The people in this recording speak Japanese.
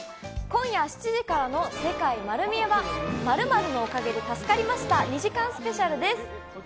今夜７時からの『世界まる見え！』は○○のおかげで助かりました、２時間スペシャルです。